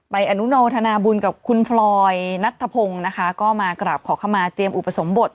ไปอนุโนธนาบุญกับคุณฟรอยนัทธพงก็มากราบขอเข้ามาเตรียมอุปสรมบท